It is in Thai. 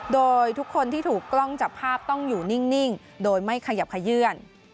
โดยทุกคนที่ถูกกล้องจับภาพต้องอยู่นิ่งโดยไม่ขยับขยื่น